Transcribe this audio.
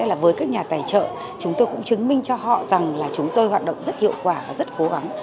là với các nhà tài trợ chúng tôi cũng chứng minh cho họ rằng là chúng tôi hoạt động rất hiệu quả và rất cố gắng